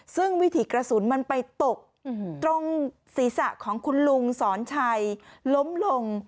ซึ่งวิถีกระสุนมันไปตกตรงศีรษะของคุณลุงสอนชัยล้มลง